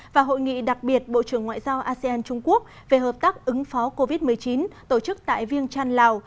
và hội nghị đặc biệt bộ trưởng ngoại giao asean trung quốc về hợp tác ứng phó covid một mươi chín tổ chức tại viêng trăn lào